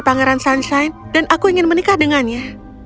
pangeran sunshine dan aku ingin menikah dengannya